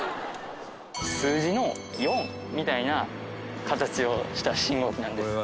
数字の４みたいな形をした信号機なんです。